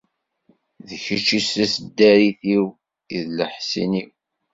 D kečč i d taseddarit-iw, i d leḥṣin-w.